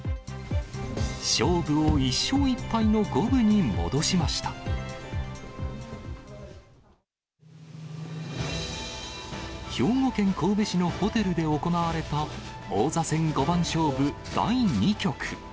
勝負を１勝１敗の五分に戻し兵庫県神戸市のホテルで行われた、王座戦五番勝負第２局。